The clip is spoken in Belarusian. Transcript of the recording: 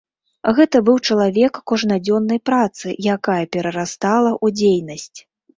Гэта быў чалавек кожнадзённай працы, якая перарастала ў дзейнасць.